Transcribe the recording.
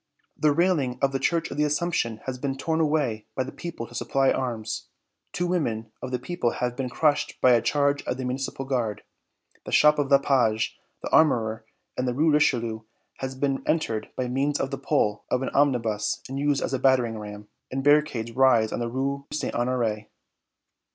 "The railing of the Church of the Assumption has been torn away by the people to supply arms; two women of the people have been crushed by a charge of the Municipal Guard; the shop of Lepage, the armorer, in the Rue Richelieu, has been entered by means of the pole of an omnibus used as a battering ram; and barricades rise on the Rue St. Honoré."